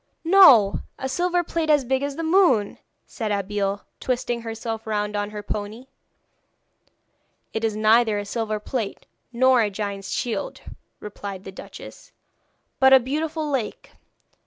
'No; a silver plate as big as the moon!' said Abeille, twisting herself round on her pony. 'It is neither a silver plate nor a giant's shield,' replied the duchess; 'but a beautiful lake.